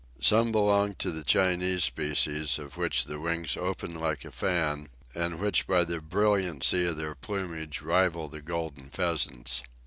Some belonged to the Chinese species, of which the wings open like a fan, and which by the brilliancy of their plumage rival the golden pheasants.